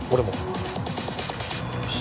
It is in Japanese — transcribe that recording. よし。